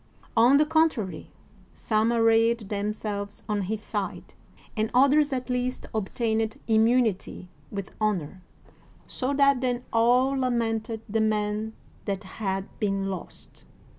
On the contrary, some arrayed themselves on his side, and others at least obtained immunity with hon or, so that then all lamented the men that had been lost.